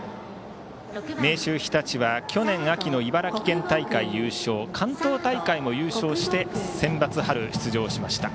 明秀日立は去年秋の茨城県大会優勝関東大会も優勝してセンバツ春出場しました。